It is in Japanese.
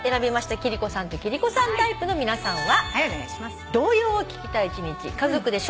貴理子さんと貴理子さんタイプの皆さんは。